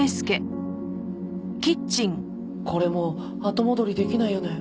これもう後戻りできないよね。